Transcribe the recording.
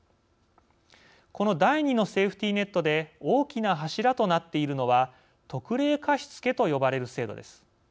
この第２のセーフティーネットで大きな柱となっているのは特例貸付と呼ばれる制度です。